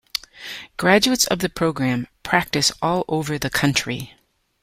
Graduates of the program practice all over the country.